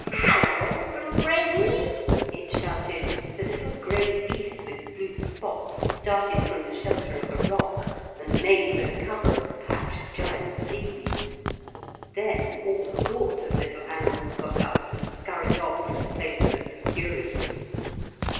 Hullo! blugraiwee!' it shouted, as a little grey beast with blue spots started from the shelter of a rock and made for the cover of a patch of giant seaweed. Then all sorts of little animals got up and scurried off into places of security.